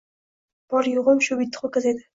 Bori-yo‘g‘im shu bitta ho‘kiz edi